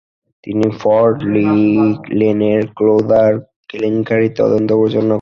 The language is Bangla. তিনি ফোর্ট লি লেনের ক্লোজার কেলেঙ্কারীর তদন্ত পরিচালনা করেন।